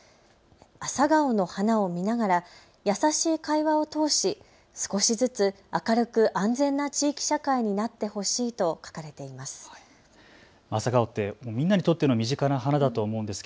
朝顔の花を見ながら優しい会話を通し、少しずつ明るく安全な地域社会になってほしいと書かれてあります。